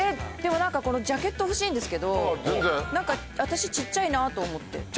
でもこのジャケット欲しいんですけど何か私小っちゃいなと思って。